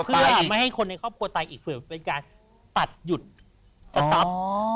เพื่อไม่ให้คนในครอบครัวตายอีกเผื่อเป็นการปัดหยุดสต๊อป